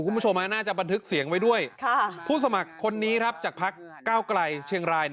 คุณผู้ชมน่าจะบันทึกเสียงไว้ด้วยผู้สมัครคนนี้จากพักเก้าไกลเชียงราย